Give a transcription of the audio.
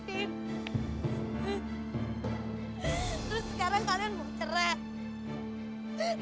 terus sekarang kalian mau cerah